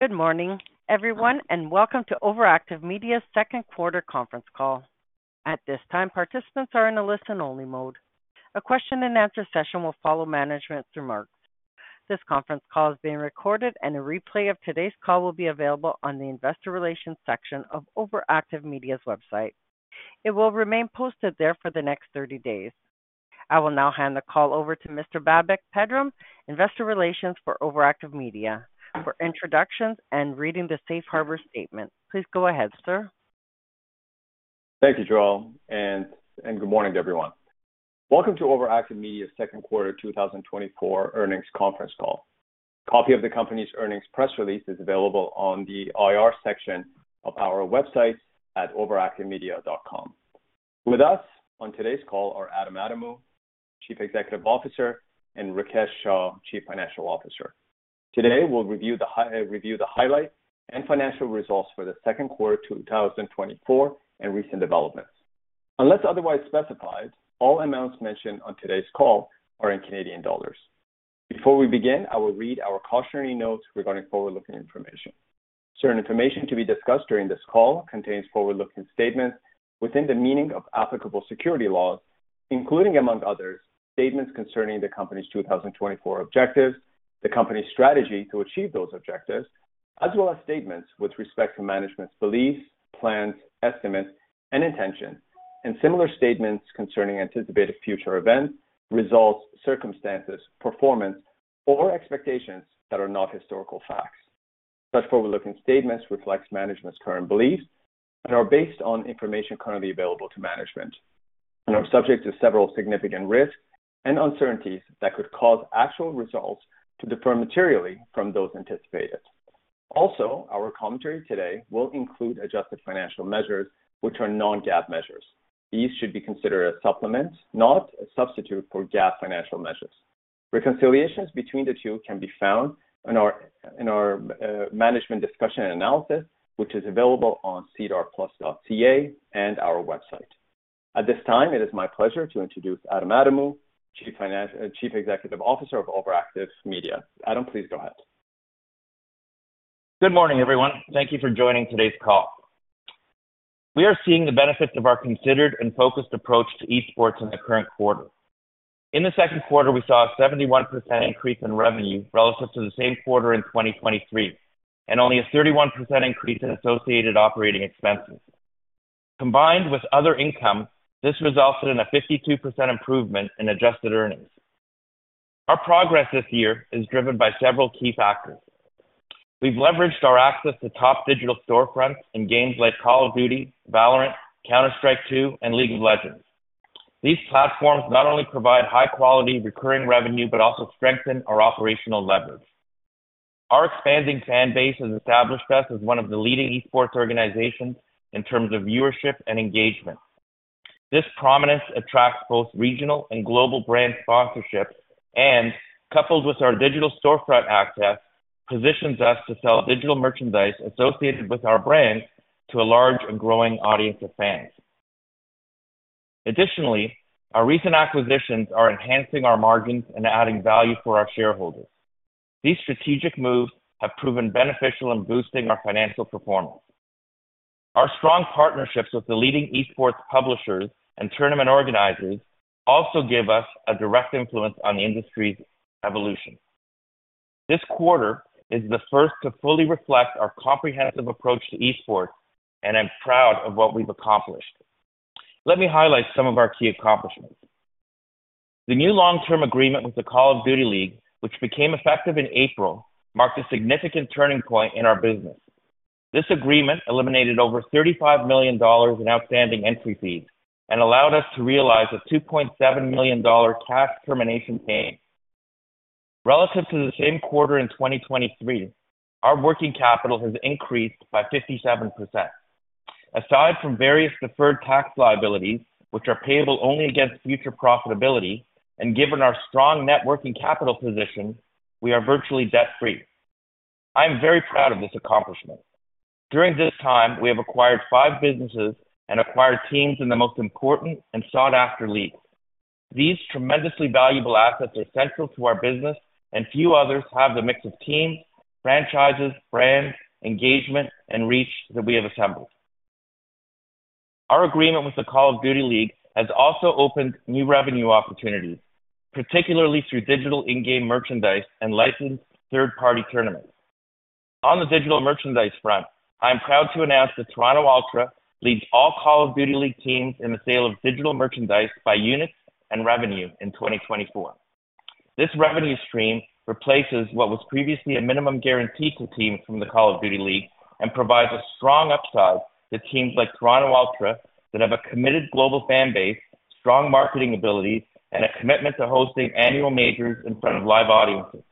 Good morning, everyone, and welcome to OverActive Media's second quarter conference call. At this time, participants are in a listen-only mode. A question-and-answer session will follow management's remarks. This conference call is being recorded, and a replay of today's call will be available on the investor relations section of OverActive Media's website. It will remain posted there for the next thirty days. I will now hand the call over to Mr. Babak Pedram, investor relations for OverActive Media, for introductions and reading the Safe Harbor statement. Please go ahead, sir. Thank you, Joel, and good morning, everyone. Welcome to OverActive Media's second quarter two thousand and twenty-four earnings conference call. A copy of the company's earnings press release is available on the IR section of our website at overactivemedia.com. With us on today's call are Adam Adamou, Chief Executive Officer, and Rikesh Shah, Chief Financial Officer. Today, we'll review the highlights and financial results for the second quarter, two thousand and twenty-four, and recent developments. Unless otherwise specified, all amounts mentioned on today's call are in Canadian dollars. Before we begin, I will read our cautionary notes regarding forward-looking information. Certain information to be discussed during this call contains forward-looking statements within the meaning of applicable securities laws, including, among others, statements concerning the Company's 2024 objectives, the Company's strategy to achieve those objectives, as well as statements with respect to management's beliefs, plans, estimates, and intentions, and similar statements concerning anticipated future events, results, circumstances, performance, or expectations that are not historical facts. Such forward-looking statements reflects management's current beliefs and are based on information currently available to management and are subject to several significant risks and uncertainties that could cause actual results to differ materially from those anticipated. Also, our commentary today will include adjusted financial measures, which are non-GAAP measures. These should be considered a supplement, not a substitute, for GAAP financial measures. Reconciliations between the two can be found in our management discussion and analysis, which is available on SEDARplus.ca and our website. At this time, it is my pleasure to introduce Adam Adamou, Chief Executive Officer of OverActive Media. Adam, please go ahead. Good morning, everyone. Thank you for joining today's call. We are seeing the benefits of our considered and focused approach to esports in the current quarter. In the second quarter, we saw a 71% increase in revenue relative to the same quarter in 2023, and only a 31% increase in associated operating expenses. Combined with other income, this resulted in a 52% improvement in adjusted earnings. Our progress this year is driven by several key factors. We've leveraged our access to top digital storefronts in games like Call of Duty, Valorant, Counter-Strike 2, and League of Legends. These platforms not only provide high-quality, recurring revenue, but also strengthen our operational leverage. Our expanding fan base has established us as one of the leading esports organizations in terms of viewership and engagement. This prominence attracts both regional and global brand sponsorships and, coupled with our digital storefront access, positions us to sell digital merchandise associated with our brand to a large and growing audience of fans. Additionally, our recent acquisitions are enhancing our margins and adding value for our shareholders. These strategic moves have proven beneficial in boosting our financial performance. Our strong partnerships with the leading esports publishers and tournament organizers also give us a direct influence on the industry's evolution. This quarter is the first to fully reflect our comprehensive approach to esports, and I'm proud of what we've accomplished. Let me highlight some of our key accomplishments. The new long-term agreement with the Call of Duty League, which became effective in April, marked a significant turning point in our business. This agreement eliminated over 35 million dollars in outstanding entry fees and allowed us to realize a 2.7 million dollar tax termination gain. Relative to the same quarter in 2023, our working capital has increased by 57%. Aside from various deferred tax liabilities, which are payable only against future profitability, and given our strong net working capital position, we are virtually debt-free. I am very proud of this accomplishment. During this time, we have acquired five businesses and acquired teams in the most important and sought-after leagues. These tremendously valuable assets are central to our business, and few others have the mix of teams, franchises, brands, engagement, and reach that we have assembled. Our agreement with the Call of Duty League has also opened new revenue opportunities, particularly through digital in-game merchandise and licensed third-party tournaments. On the digital merchandise front, I am proud to announce that Toronto Ultra leads all Call of Duty League teams in the sale of digital merchandise by units and revenue in 2024. This revenue stream replaces what was previously a minimum guarantee to teams from the Call of Duty League and provides a strong upside to teams like Toronto Ultra that have a committed global fan base, strong marketing abilities, and a commitment to hosting annual majors in front of live audiences.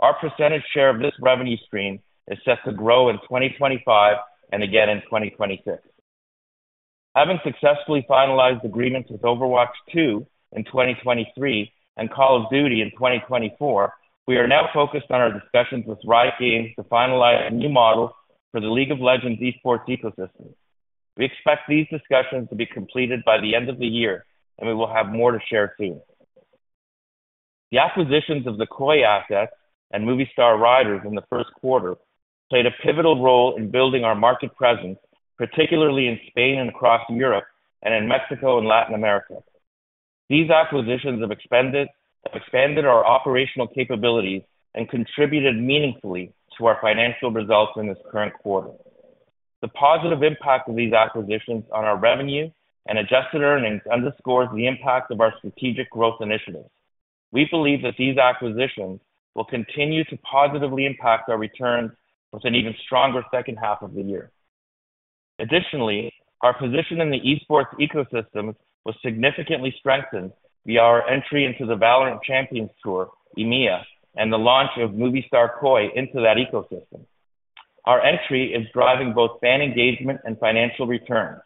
Our percentage share of this revenue stream is set to grow in 2025 and again in 2026. Having successfully finalized agreements with Overwatch 2 in 2023 and Call of Duty in 2024, we are now focused on our discussions with Riot Games to finalize a new model for the League of Legends esports ecosystem. We expect these discussions to be completed by the end of the year, and we will have more to share soon. The acquisitions of the KOI assets and Movistar Riders in the first quarter played a pivotal role in building our market presence, particularly in Spain and across Europe and in Mexico and Latin America. These acquisitions have expanded our operational capabilities and contributed meaningfully to our financial results in this current quarter. The positive impact of these acquisitions on our revenue and adjusted earnings underscores the impact of our strategic growth initiatives. We believe that these acquisitions will continue to positively impact our returns with an even stronger second half of the year. Additionally, our position in the esports ecosystem was significantly strengthened via our entry into the Valorant Champions Tour, EMEA, and the launch of Movistar KOI into that ecosystem. Our entry is driving both fan engagement and financial returns.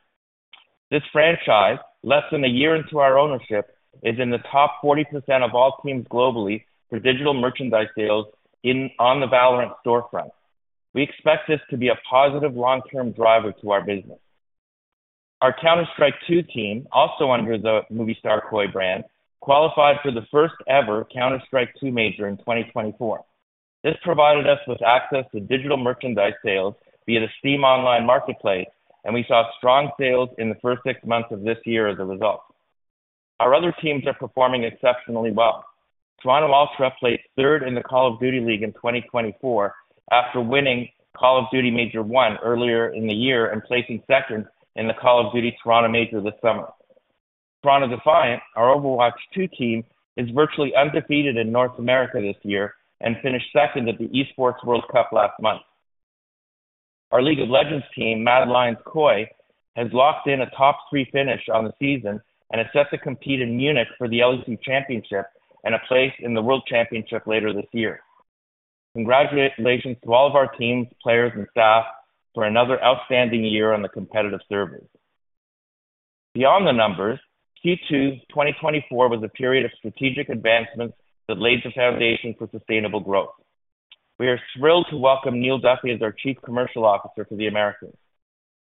This franchise, less than a year into our ownership, is in the top 40% of all teams globally for digital merchandise sales in on the Valorant storefront. We expect this to be a positive long-term driver to our business. Our Counter-Strike 2 team, also under the Movistar KOI brand, qualified for the first-ever Counter-Strike 2 Major in 2024. This provided us with access to digital merchandise sales via the Steam online marketplace, and we saw strong sales in the first six months of this year as a result. Our other teams are performing exceptionally well. Toronto Ultra placed third in the Call of Duty League in 2024 after winning Call of Duty Major I earlier in the year and placing second in the Call of Duty Toronto Major this summer. Toronto Defiant, our Overwatch 2 team, is virtually undefeated in North America this year and finished second at the Esports World Cup last month. Our League of Legends team, MAD Lions KOI, has locked in a top three finish on the season and is set to compete in Munich for the LEC Championship and a place in the World Championship later this year. Congratulations to all of our teams, players, and staff for another outstanding year on the competitive service. Beyond the numbers, Q2 2024 was a period of strategic advancements that laid the foundation for sustainable growth. We are thrilled to welcome Neil Duffy as our Chief Commercial Officer for the Americas.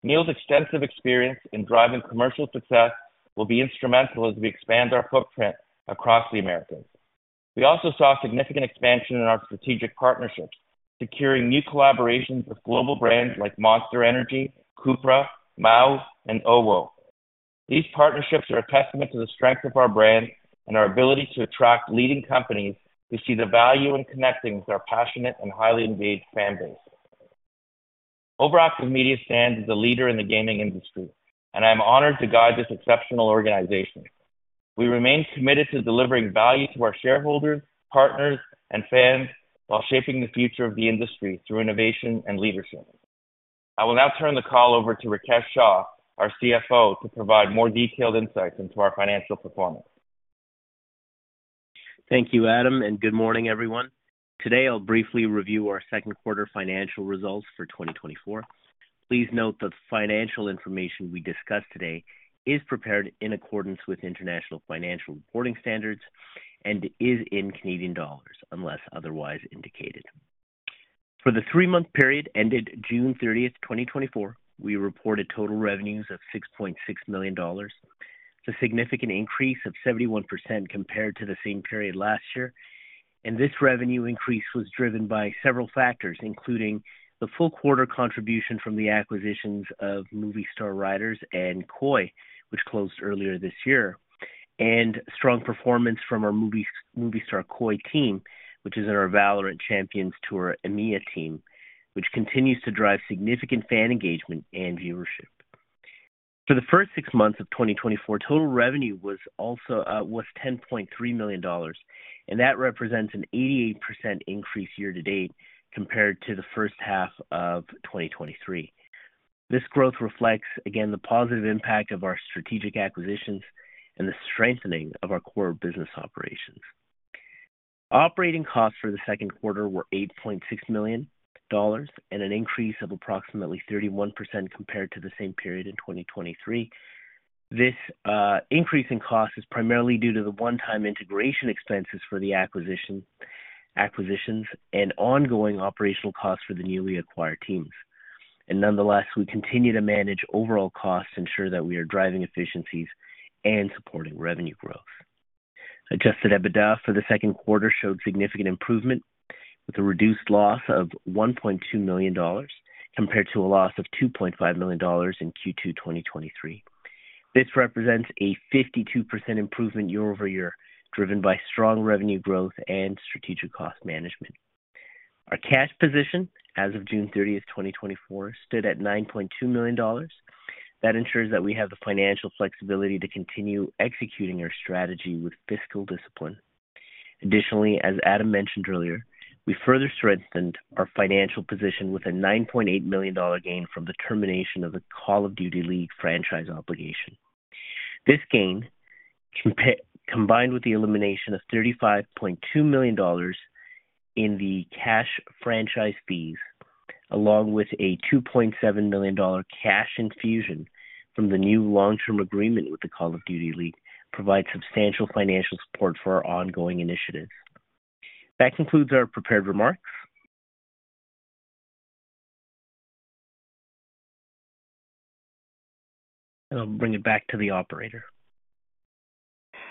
Neil's extensive experience in driving commercial success will be instrumental as we expand our footprint across the Americas. We also saw significant expansion in our strategic partnerships, securing new collaborations with global brands like Monster Energy, CUPRA, Mahou, and OWO. These partnerships are a testament to the strength of our brand and our ability to attract leading companies who see the value in connecting with our passionate and highly engaged fan base. OverActive Media stands as a leader in the gaming industry, and I am honored to guide this exceptional organization. We remain committed to delivering value to our shareholders, partners, and fans while shaping the future of the industry through innovation and leadership. I will now turn the call over to Rikesh Shah, our CFO, to provide more detailed insights into our financial performance. Thank you, Adam, and good morning, everyone. Today, I'll briefly review our second quarter financial results for 2024. Please note the financial information we discuss today is prepared in accordance with International Financial Reporting Standards and is in Canadian dollars, unless otherwise indicated. For the three-month period ended June thirtieth, 2024, we reported total revenues of 6.6 million dollars, a significant increase of 71% compared to the same period last year, and this revenue increase was driven by several factors, including the full quarter contribution from the acquisitions of Movistar Riders and KOI, which closed earlier this year, and strong performance from our Movistar KOI team, which is in our Valorant Champions Tour EMEA team, which continues to drive significant fan engagement and viewership. For the first six months of 2024, total revenue was also 10.3 million dollars, and that represents an 88% increase year-to-date compared to the first half of 2023. This growth reflects, again, the positive impact of our strategic acquisitions and the strengthening of our core business operations. Operating costs for the second quarter were 8.6 million dollars and an increase of approximately 31% compared to the same period in 2023. This increase in cost is primarily due to the one-time integration expenses for the acquisition, acquisitions and ongoing operational costs for the newly acquired teams. Nonetheless, we continue to manage overall costs to ensure that we are driving efficiencies and supporting revenue growth. Adjusted EBITDA for the second quarter showed significant improvement, with a reduced loss of 1.2 million dollars, compared to a loss of 2.5 million dollars in Q2 2023. This represents a 52% improvement year-over-year, driven by strong revenue growth and strategic cost management. Our cash position as of June thirtieth, 2024, stood at 9.2 million dollars. That ensures that we have the financial flexibility to continue executing our strategy with fiscal discipline. Additionally, as Adam mentioned earlier, we further strengthened our financial position with a 9.8 million dollar gain from the termination of the Call of Duty League franchise obligation. This gain, combined with the elimination of 35.2 million dollars in the cash franchise fees, along with a 2.7 million dollar cash infusion from the new long-term agreement with the Call of Duty League, provides substantial financial support for our ongoing initiatives. That concludes our prepared remarks. And I'll bring it back to the operator.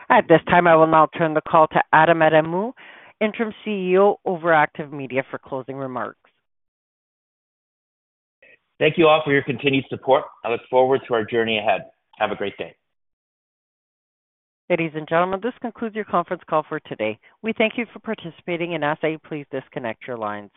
At this time, I will now turn the call to Adam Adamou, Interim CEO, OverActive Media, for closing remarks. Thank you all for your continued support. I look forward to our journey ahead. Have a great day. Ladies and gentlemen, this concludes your conference call for today. We thank you for participating and ask that you please disconnect your lines.